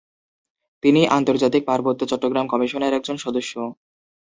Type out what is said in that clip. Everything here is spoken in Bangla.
তিনি আন্তর্জাতিক পার্বত্য চট্টগ্রাম কমিশনের একজন সদস্য।